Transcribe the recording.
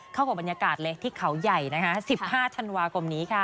เข้ากับบรรยากาศเลยที่เขาใหญ่นะคะ๑๕ธันวาคมนี้ค่ะ